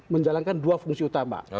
menjalankan dua fungsi utama